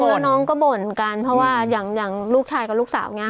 น้องน้องก็บ่นกันเพราะว่าอย่างอย่างลูกชายกับลูกสาวไง